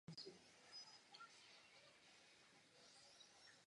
Zde žila pět let a poté se vrátila zpět na Ukrajinu se svou matkou.